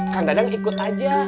kan dadang ikut aja